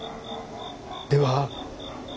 では。